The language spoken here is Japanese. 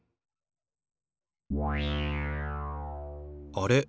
あれ？